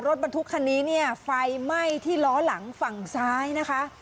รถบรรทุกคันนี้เนี่ยไฟไหม้ที่ล้อหลังฝั่งซ้ายนะคะ